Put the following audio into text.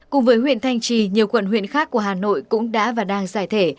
cùng với huyện thanh trì nhiều quận huyện khác của hà nội cũng đã và đang giải thể